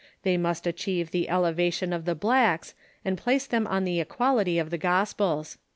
They must achieve the elevation of the blacks, and place them on the equality of the Gospels."